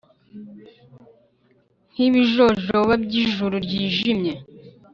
Nk'ibijojoba by'ijuru ryijimye.